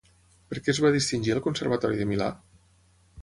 Per què es va distingir al Conservatori de Milà?